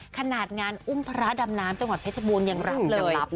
ขนาดงานอุ้มพระดำน้ำจังหวัดเพชรบูรณ์ยังรับเลย